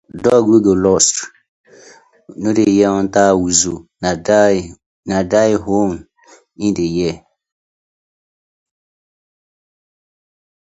Dog wey go lost no dey hear hunter whistle na die own im dey hear.